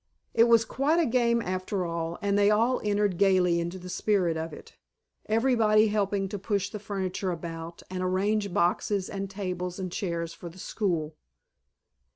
It was quite a game after all, and they all entered gaily into the spirit of it, everybody helping to push the furniture about and arrange boxes and tables and chairs for the "school."